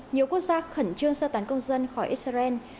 nhiều quốc gia khẩn trương sơ tán công dân khỏi israel